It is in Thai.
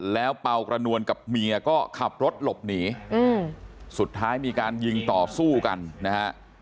แล้วเป่ากระนวลกับเมียก็ขับรถหลบหนีสุดท้ายมีการยิงต่อสู้กันนะฮะ